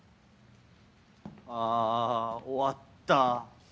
あ終わった。